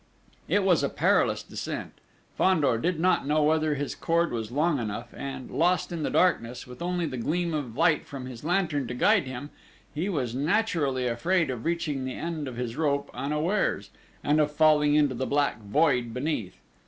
It was a perilous descent! Fandor did not know whether his cord was long enough, and, lost in the darkness, with only the gleam of light from his lantern to guide him, he was naturally afraid of reaching the end of his rope unawares, and of falling into the black void beneath.